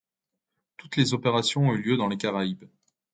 Tous les opérations ont lieu dans les Caraïbes.